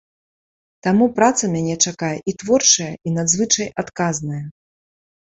Таму праца мяне чакае і творчая, і надзвычай адказная.